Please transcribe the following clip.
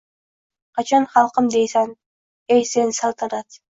Qachon “Xalqim!” deysan, ey sen, saltanat?!